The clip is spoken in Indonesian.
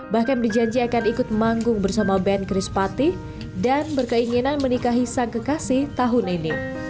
bahkan berjanji akan ikut manggung bersama band chris patih dan berkeinginan menikahi sang kekasih tahun ini